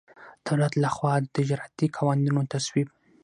دولت له خوا د تجارتي قوانینو تصویب.